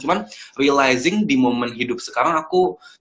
cuman realizing di momen hidup sekarang aku ternyata ketika kita menuliskan satu kejadian